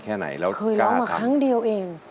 แล้วการทำเคยเล่ามาครั้งเดียวเอง